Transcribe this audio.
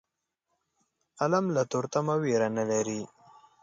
قلم له تورتمه ویره نه لري